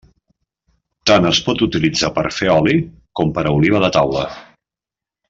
Tant es pot utilitzar per a fer oli com per a oliva de taula.